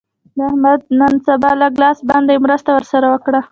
د احمد نن سبا لږ لاس بند دی؛ مرسته ور سره وکړه.